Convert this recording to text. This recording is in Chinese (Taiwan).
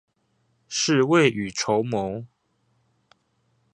是未雨綢繆